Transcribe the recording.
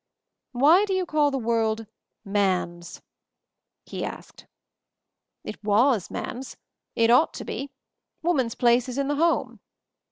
"Why do you call the world "man's?" he asked. "It was man's; it ought to be. Woman's place is in the home.